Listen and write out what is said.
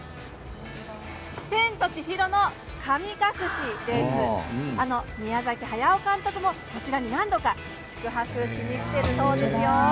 「千と千尋の神隠し」あの宮崎駿監督もこちらに何度か宿泊に来ているそうです。